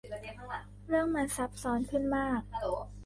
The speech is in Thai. เรื่องมันซับซ้อนขึ้นมาก